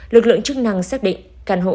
lực lượng chức năng xác định căn hộ